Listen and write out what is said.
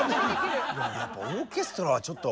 やっぱオーケストラはちょっと。